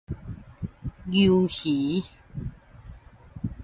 鰇魚